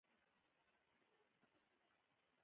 د خوست په موسی خیل کې د سمنټو مواد شته.